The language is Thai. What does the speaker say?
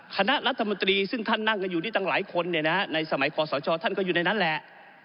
คณะรัฐมนตรีซึ่งท่านนั่งกันอยู่นี่ตั้งหลายคนในสมัยคอสชท่านก็อยู่ในนั้นแหละ